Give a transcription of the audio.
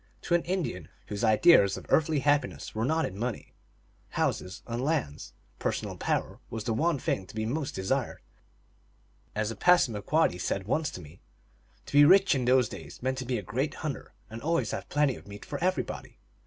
To an Indian, whose ideas of earthly happiness were not in money, houses, and lands, personal power was the one thing to be most desired. As a Passamaquoddy said once to me, " To be rich in those days meant to be a great hunter and 376 THE ALGONQUIN LEGENDS. always have plenty of meat for everybody."